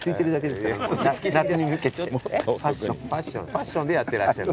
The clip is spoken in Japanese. ファッションでやってらっしゃる。